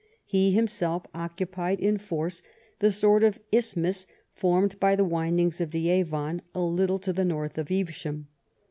He himself occupied in force the sort of isthmus formed by the windings of the Avon a little to the north of Evesham.